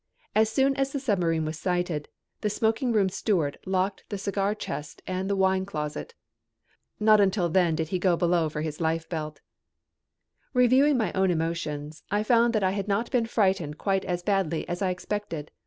As soon as the submarine was sighted, the smoking room steward locked the cigar chest and the wine closet. Not until then did he go below for his lifebelt. Reviewing my own emotions, I found that I had not been frightened quite as badly as I expected.